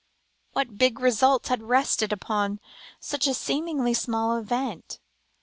What big results had rested upon such a seemingly small event!